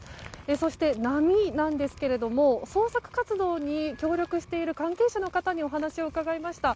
そして、波なんですけれども捜索活動に協力してる関係者の方にお話を伺いました。